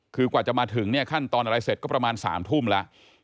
คือกว่าจะมาถึงเนี่ยขั้นตอนอะไรเสร็จก็ประมาณ๓ทุ่มแล้ว